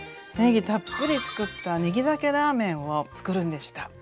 ねぎたっぷり使ったねぎだけラーメンをつくるんでした！